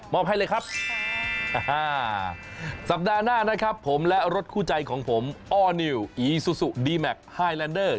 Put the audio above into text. ให้เลยครับอ่าสัปดาห์หน้านะครับผมและรถคู่ใจของผมอ้อนิวอีซูซูดีแมคไฮแลนเดอร์